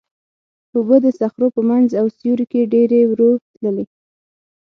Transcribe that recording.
اوبه د صخرو په منځ او سیوري کې ډېرې ورو تللې.